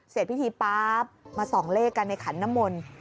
เสร็จพิธีป๊าบมาส่องเลขกันในขันน้ำมนต์